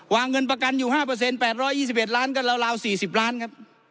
เงินประกันอยู่๕๘๒๑ล้านก็ราว๔๐ล้านครับ